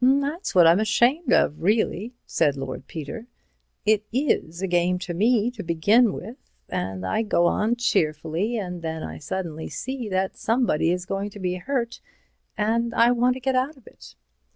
"That's what I'm ashamed of, really," said Lord Peter. "It is a game to me, to begin with, and I go on cheerfully, and then I suddenly see that somebody is going to be hurt, and I want to get out of it."